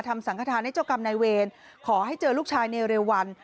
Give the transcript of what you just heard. สังขทานให้เจ้ากรรมนายเวรขอให้เจอลูกชายในเร็ววัน